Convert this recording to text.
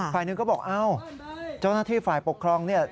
ฝ่ายหนึ่งก็บอกเจ้าหน้าที่ฝ่ายปกครองนี่